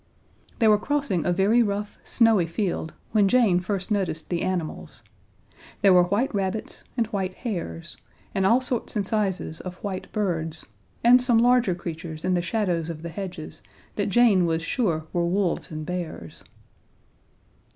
They were crossing a very rough, snowy field when Jane first noticed the animals. There were white rabbits and white hares and all sorts and sizes of white birds, and some larger creatures in the shadows of the hedges that Jane was sure were wolves and bears.